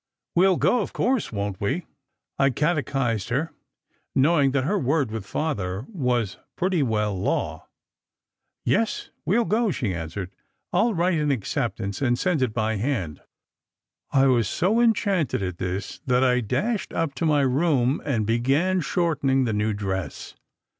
" We ll go, of course, won t we? " I catechized her, know ing that her word with Father was pretty well law. "Yes, we ll go," she answered. "I ll write an accept ance and send it by hand." I was so enchanted at this that I dashed up to my room and began shortening the new dress.